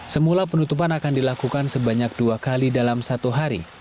semula penutupan akan dilakukan sebanyak dua kali dalam satu hari